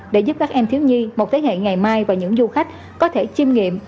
để giúp các em thiếu nhi một thế hệ ngày mai và những du khách có thể chim nghiệm